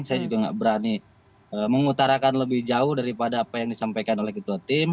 saya juga nggak berani mengutarakan lebih jauh daripada apa yang disampaikan oleh ketua tim